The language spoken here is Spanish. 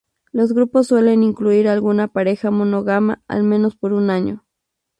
Los grupos suelen incluir alguna pareja monógama, al menos por un año.